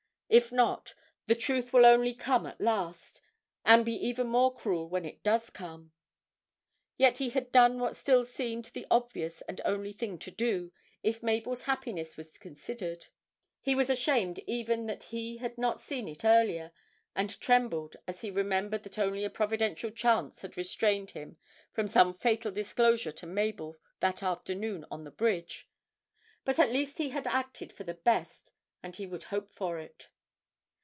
If not, the truth will only come at last, and be even more cruel when it does come.' Yet he had done what still seemed the obvious and only thing to do, if Mabel's happiness was considered. He was ashamed even that he had not seen it earlier, and trembled as he remembered that only a providential chance had restrained him from some fatal disclosure to Mabel that afternoon on the bridge. But at least he had acted for the best, and he would hope for it.